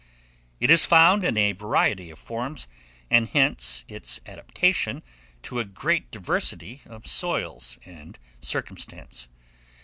It is found in a variety of forms, and hence its adaptation to a great diversity of soils and circumstances.